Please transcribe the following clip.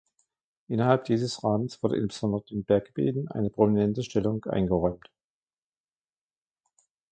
Innerhalb dieses Rahmens wurde insbesondere den Berggebieten eine prominente Stellung eingeräumt.